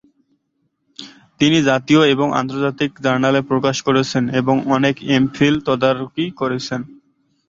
তিনি জাতীয় এবং আন্তর্জাতিক জার্নালে প্রকাশ করেছেন এবং অনেক এমফিল তদারকি করেছেন।